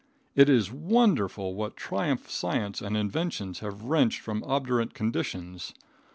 It is wonderful what triumph science and inventions have wrenched from obdurate conditions!